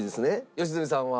良純さんは？